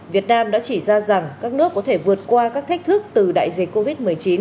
việt nam đã chỉ ra rằng các nước có thể vượt qua các thách thức từ đại dịch covid một mươi chín